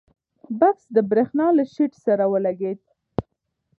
بکس د برېښنا له شیټ سره ولګېد.